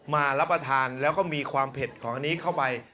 มารับประทานแล้วก็มีความเผ็ดของอันนี้เข้าไป